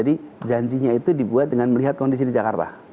dan janjinya itu dibuat dengan melihat kondisi di jakarta